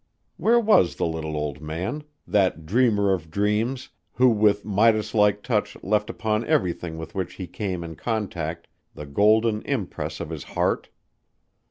Where was the little old man that dreamer of dreams, who with Midas like touch left upon everything with which he came in contact the golden impress of his heart?